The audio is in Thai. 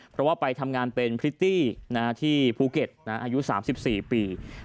เพราะว่าไปทำงานเป็นพริตตี้ที่ภูเก็ตอายุ๓๔ปี